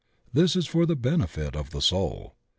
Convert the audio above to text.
This is for the benefit of the soul.